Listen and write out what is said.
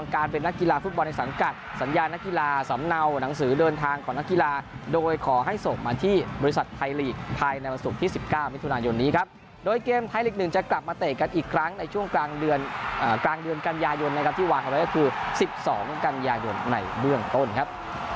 ครั้งในช่วงกลางเดือนกรางเดือนกันยายนนะครับที่วางอะไรก็คือ๑๒กันยายนในเบื้องต้นครับ